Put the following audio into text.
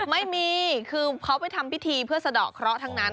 ไม่มีคือเขาไปทำพิธีเพื่อสะดอกเคราะห์ทั้งนั้น